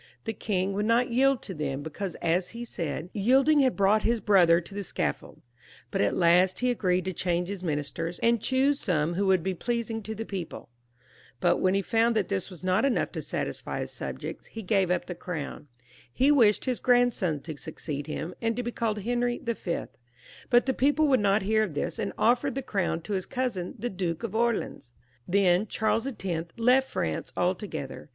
The king would not yield to them, because, as he said, "yielding had brought his brother to the scaffold," but at last he agreed to change his ministers, and choose some who would be pleasing to the people. 448 CONCLUSION, Hut whon ho found that this was not enough to satisfy hin Bubjootfl, he gave up the crown. He wished his grand non to succeed him, and to be called Henry Y., but the people would not hear of this, and offered the crown to his cousin, the Duke of Orleans. Then Charles X. left France altoKother.